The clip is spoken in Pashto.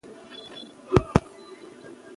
خلک به مرسته ترلاسه کړي.